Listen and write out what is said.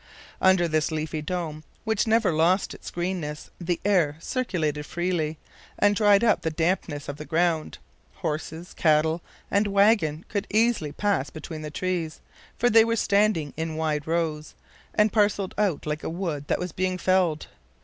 Under this leafy dome, which never lost its greenness, the air circulated freely, and dried up the dampness of the ground. Horses, cattle, and wagon could easily pass between the trees, for they were standing in wide rows, and parceled out like a wood that was being felled.